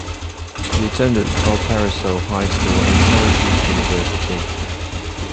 He attended Valparaiso High School and Syracuse University.